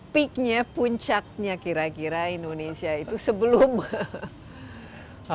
peak nya puncaknya kira kira indonesia itu sebelum berkurang